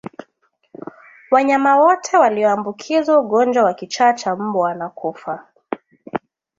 Wanyama wote walioambukizwa ugonjwa wa kichaa cha mbwa wanakufa